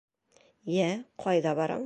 Йә, ҡайҙа бараң?!